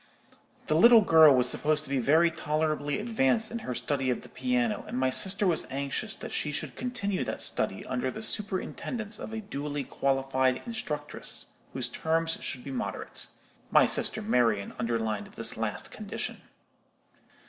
The little girl was supposed to be very tolerably advanced in her study of the piano, and my sister was anxious that she should continue that study under the superintendence of a duly qualified instructress, whose terms should be moderate. My sister Marian underlined this last condition.